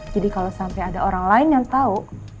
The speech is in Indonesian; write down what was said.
jadi kalau sampai ada orang lain yang tahu